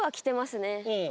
うん。